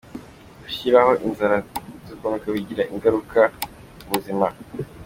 Gushyiraho inzara z’inzomekano bigira ingaruka ku buzima